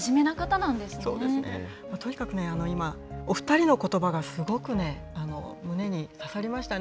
そうですね、もうとにかくね、今、お２人のことばがすごく胸に刺さりましたね。